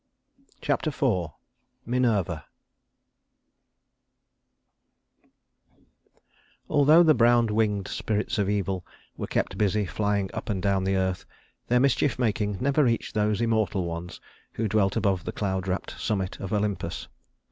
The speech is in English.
Chapter IV Minerva I Although the brown winged spirits of evil were kept busy flying up and down the earth, their mischief making never reached those immortal ones who dwelt above the cloud wrapped summit of Olympus.